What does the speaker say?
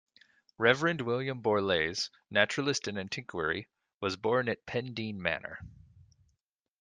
Reverend William Borlase, naturalist and antiquary, was born at Pendeen Manor.